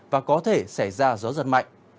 và có thể xảy ra gió giật mạnh